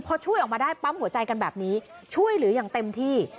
พอช่วยออกมาได้ปั๊มหัวใจกันแบบนี้ช่วยเหลืออย่างเต็มที่